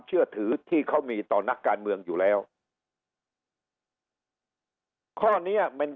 เชื่อถือที่เขามีต่อนักการเมืองอยู่แล้วข้อเนี้ยเป็น